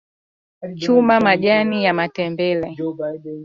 Chuma majani ya matembele